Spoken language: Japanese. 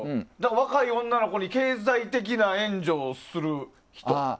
若い女の子に経済的な援助をする人。